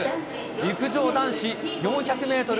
陸上男子４００メートル